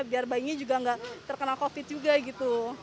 biar bayinya juga nggak terkena covid juga gitu